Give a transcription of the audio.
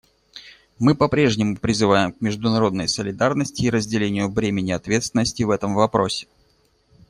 Мы по-прежнему призываем к международной солидарности и разделению бремени ответственности в этом вопросе.